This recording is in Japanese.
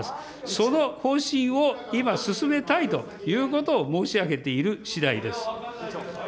その方針を今、進めたいということを申し上げているしだいです。